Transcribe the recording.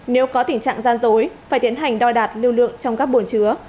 nếu có tình trạng gian dối phải tiến hành đo đạt lưu lượng trong các bồn chứa